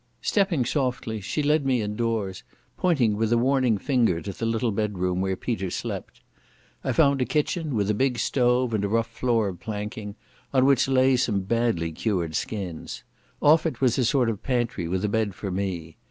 Stepping softly she led me indoors, pointing with a warning finger to the little bedroom where Peter slept. I found a kitchen with a big stove and a rough floor of planking, on which lay some badly cured skins. Off it was a sort of pantry with a bed for me.